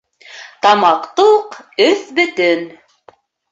Тамаҡ туҡ, өҫ бөтөн.